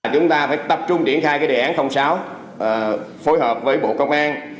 chúng ta phải tập trung triển khai đề án sáu phối hợp với bộ công an